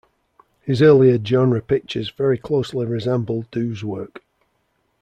His earlier genre pictures very closely resemble Dou's work.